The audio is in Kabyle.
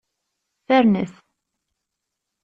Fernet.